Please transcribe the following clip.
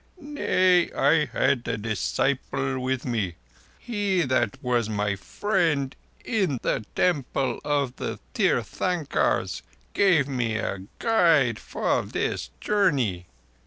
"Nay, I had a disciple with me. He that was my friend at the Temple of the Tirthankars gave me a guide for this journey.